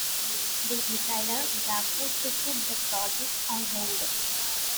They decided therefore to put the project on hold.